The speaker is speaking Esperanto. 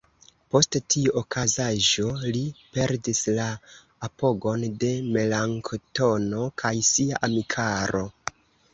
Post tiu okazaĵo, li perdis la apogon de Melanktono kaj sia amikaro.